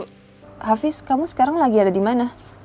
hafiz kamu sekarang lagi ada di mana